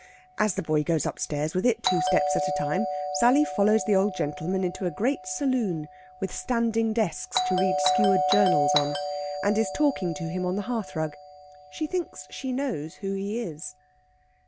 As the boy goes upstairs with it two steps at a time Sally follows the old gentleman into a great saloon with standing desks to read skewered journals on and is talking to him on the hearthrug. She thinks she knows who he is.